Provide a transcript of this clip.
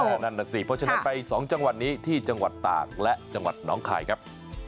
นั่นน่ะสิเพราะฉะนั้นไป๒จังหวัดนี้ที่จังหวัดตากและจังหวัดน้องคายครับ